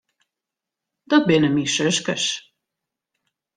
Dat binne myn suskes.